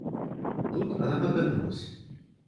Тут она подвернулась.